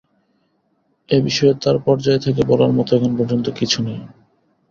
এ বিষয়ে তাঁর পর্যায় থেকে বলার মতো এখন পর্যন্ত কিছু নেই।